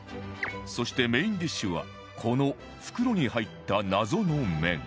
そしてメインディッシュはこの袋に入った謎の麺